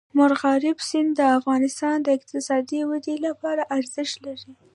مورغاب سیند د افغانستان د اقتصادي ودې لپاره ارزښت لري.